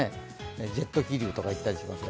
ジェット気流とか言ったりしますが。